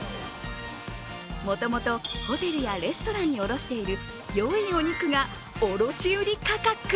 もともとホテルやレストランに卸している、よいお肉が卸売価格。